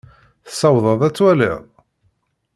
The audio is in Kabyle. Tsawḍeḍ ad twaliḍ?